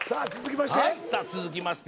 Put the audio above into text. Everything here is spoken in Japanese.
さあ続きまして。